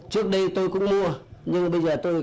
trước đây tôi cũng mua nhưng bây giờ tôi